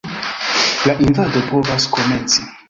La invado povas komenci.